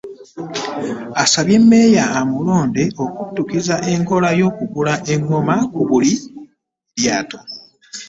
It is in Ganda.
Asabye Meeya omulonde okuttukiza enkola y'okugula eŋŋOma ku buli kyalo.